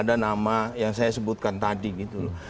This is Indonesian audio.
ada nama yang saya sebutkan tadi gitu loh